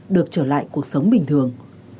được trở lại cuộc sống bình thường